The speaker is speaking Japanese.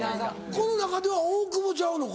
この中では大久保ちゃうのか？